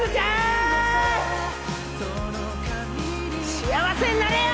幸せになれよ！